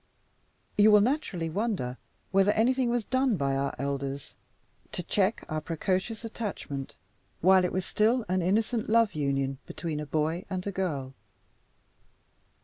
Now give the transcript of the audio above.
You will naturally wonder whether anything was done by our elders to check our precocious attachment, while it was still an innocent love union between a boy and a girl.